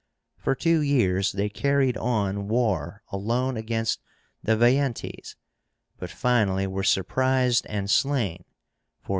For two years they carried on war alone against the Veientes, but finally were surprised and slain (477).